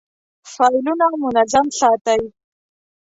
فایلونه منظم ساتئ؟